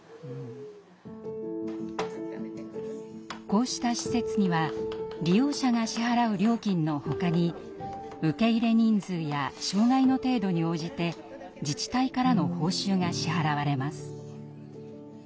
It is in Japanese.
こうした施設には利用者が支払う料金のほかに受け入れ人数や障害の程度に応じて自治体からの報酬が支払われます。